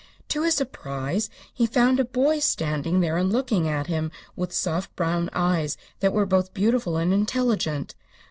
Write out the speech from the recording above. To his surprise he found a boy standing there and looking at him with soft brown eyes that were both beautiful and intelligent.